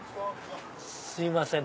すいません